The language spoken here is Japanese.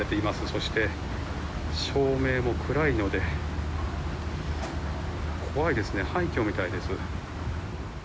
そして、照明も暗いので怖いですね、廃虚みたいです。